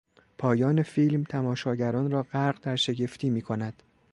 پایان فیلم تماشاگران را غرق در شگفتی میکند.